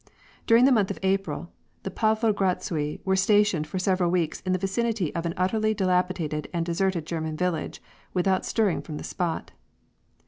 During the month of April, the Pav li^radsui were stationed for several weeks in the vicinity of an utterly dilapidated and deserted German village without stirring from the spot.